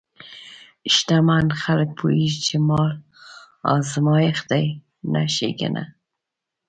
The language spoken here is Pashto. شتمن خلک پوهېږي چې مال ازمېښت دی، نه ښېګڼه.